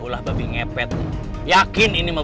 ulah babi nyepet yakin ini mah